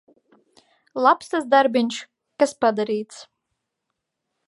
Labs tas darbiņš, kas padarīts.